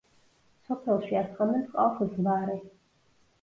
სოფელში ასხამენ წყალს „ზვარე“.